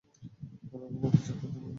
কারন আমার কিছুই করতে হয় না।